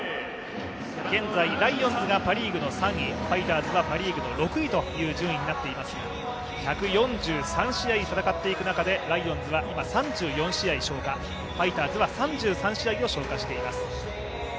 現在、ライオンズがパ・リーグの３位ファイターズはパ・リーグの６位という順位になっていますが１４３試合戦っていく中でライオンズは今、３４試合消化ファイターズは３３試合を消化しています。